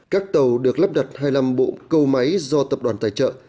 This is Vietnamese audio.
các tàu được lắp đặt hai mươi năm bộ câu máy do tập đoàn tài trợ